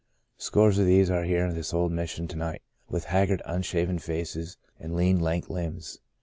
Scores of these are here in this old Mission to night, with haggard, unshaven faces and lean, lank limbs.